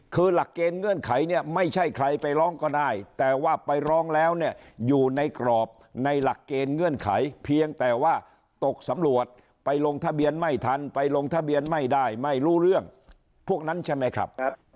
คือหลักเกณฑ์เงื่อนไขเนี่ยไม่ใช่ใครไปร้องก็ได้แต่ว่าไปร้องแล้วเนี่ยอยู่ในกรอบในหลักเกณฑ์เงื่อนไขเพียงแต่ว่าตกสำรวจไปลงทะเบียนไม่ทันไปลงทะเบียนไม่ได้ไม่รู้เรื่องพวกนั้นใช่ไหมครับ